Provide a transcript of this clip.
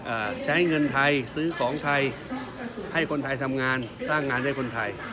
ใช้เงินไทยซื้อของไทยให้คนไทยทำงานสร้างงานให้คนไทย